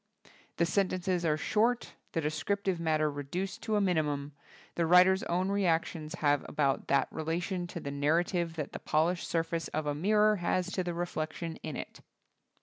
The sentences are short, the descriptive matter reduced to a minimum, the writer's own reactions have about that relation to the narra tive that the polished surface of a mirror has to the reflection in it.